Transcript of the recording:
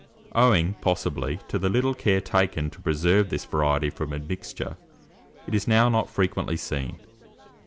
Owing, possibly, to the little care taken to preserve this variety from admixture, it is now not frequently seen.